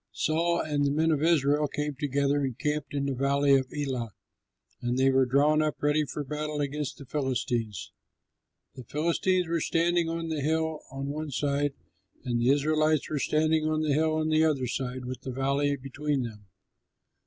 Saul and the men of Israel came together and camped in the valley of Elah; and they were drawn up ready for battle against the Philistines. The Philistines were standing on the hill on one side, and the Israelites were standing on the hill on the other side with the valley between them.